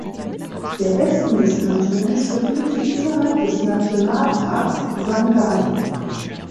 Der Westen des Kantons befindet sich innerhalb des Nationalparks Sangay.